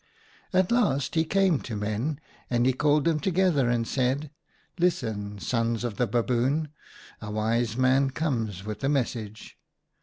" At last he came to Men, and he called them together and said :' Listen, Sons of the Baboon, a wise man comes with a message.